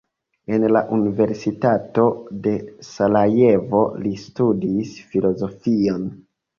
En la Universitato de Sarajevo li studis filozofion.